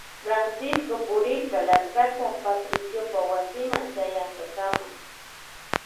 Francisco purirka larkata Patriciopa wasima chayankakama.